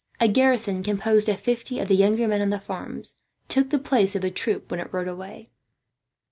A garrison, composed of fifty of the younger men on the farms, took the place of the troop when it rode away.